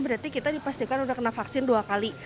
berarti kita dipastikan sudah kena vaksin dua kali